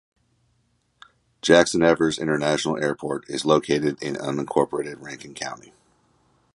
Jackson Evers International Airport is located in unincorporated Rankin County.